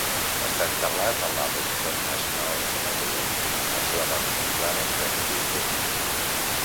Està enterrat al Arlington National Cemetery amb la seva dona, Clara Prentis Billard.